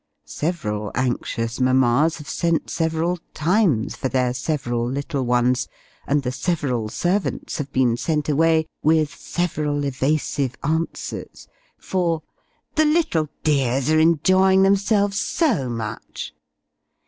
Several anxious mammas have sent several times for their several little ones; and the several servants have been sent away with several evasive answers for "the little dears are enjoying themselves so much!"